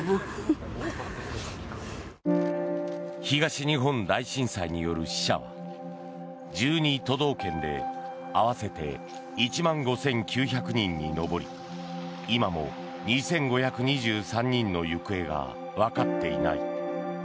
東日本大震災による死者は１２都道県で合わせて１万５９００人に上り今も２５２３人の行方がわかっていない。